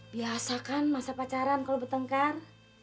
biasa kan masa pacaran kalau bertengkar